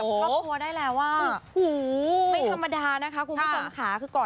กับวิธีกรับตัวได้แล้วว่าไม่ธรรมดานะคะนะครับคุณผู้ชมค่ะ